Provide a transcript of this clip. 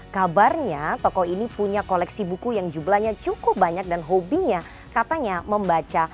kabarnya toko ini punya koleksi buku yang jumlahnya cukup banyak dan hobinya katanya membaca